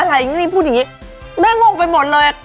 อะไรอย่างนี้พูดอย่างนี้แม่งงไปหมดเลย